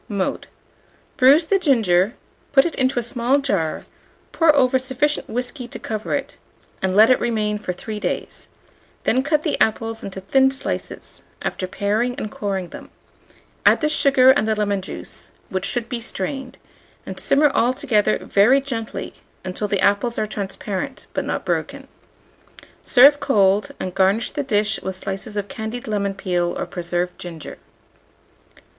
Mode. Bruise the ginger, put it into a small jar, pour over sufficient whiskey to cover it, and let it remain for 3 days; then cut the apples into thin slices, after paring and coring them; add the sugar and the lemon juice, which should he strained; and simmer all together very gently until the apples are transparent, but not broken. Serve cold, and garnish the dish with slices of candied lemon peel or preserved ginger.